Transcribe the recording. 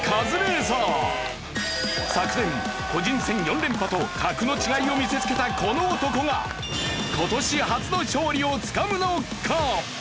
昨年個人戦４連覇と格の違いを見せつけたこの男が今年初の勝利をつかむのか？